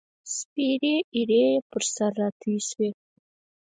سپیرې ایرې یې پر سر راتوی شوې